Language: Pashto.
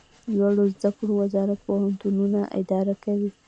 لوړو زده کړو وزارت پوهنتونونه اداره کوي